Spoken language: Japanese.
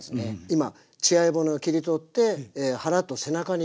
今血合い骨を切り取って腹と背中に分かれた状態です。